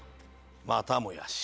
またもやＣ。